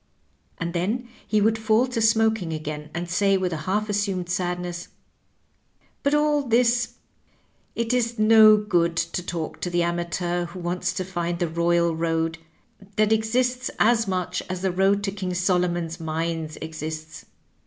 And then he would fall to smoking again, and say with a half assumed sadness, " But all this it is no good to talk to the amateur who wants to find the royal road, that exists as much as the road to King Solomon's mines exists.